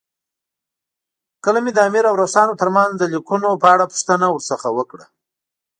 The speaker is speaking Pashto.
کله مې د امیر او روسانو ترمنځ د لیکونو په اړه پوښتنه ورڅخه وکړه.